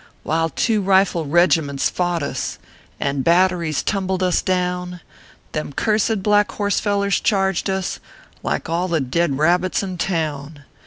While two rifle regiments fought us, And batteries tumbled us down, Them cursed Black Horse fellers charged us, Like all the Dead Rabbits in town.